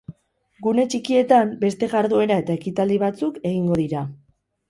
Gune txikietan beste jarduera eta ekitaldi batzuk egingo dira.